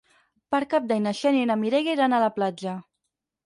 Per Cap d'Any na Xènia i na Mireia iran a la platja.